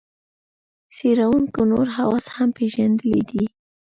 څېړونکو نور حواس هم پېژندلي دي.